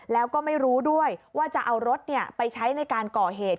แล้วก็ไม่รู้ด้วยว่าจะเอารถไปใช้ในการก่อเหตุ